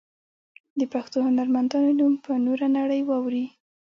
د پښتو هنرمندانو نوم به نوره نړۍ واوري.